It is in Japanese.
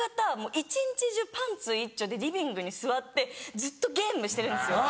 一日中パンツいっちょうでリビングに座ってずっとゲームしてるんですよ。